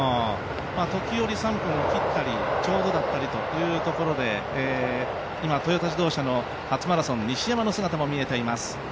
時折、３分を切ったりちょうどだったりというところで今、トヨタ自動車の初マラソン、西山の姿も見えています。